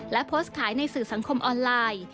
และโพสต์ขายในสื่อสังคมออนไลน์